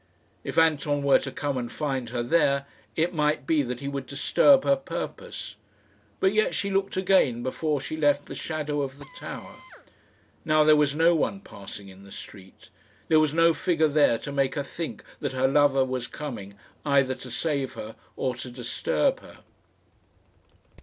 If Anton were to come and find her there, it might be that he would disturb her purpose. But yet she looked again before she left the shadow of the tower. Now there was no one passing in the street. There was no figure there to make her think that her lover was coming either to save her or to disturb her.